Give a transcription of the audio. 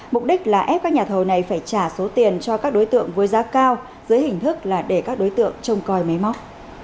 mục đích là ép các nhà thầu này phải trả số tiền cho các đối tượng với giá cao dưới hình thức là để các đối tượng trông coi máy móc